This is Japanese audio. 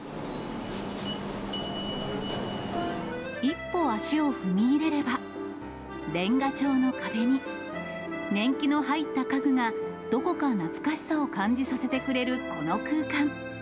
一歩足を踏み入れれば、レンガ調の壁に、年季の入った家具がどこか懐かしさを感じさせてくれるこの空間。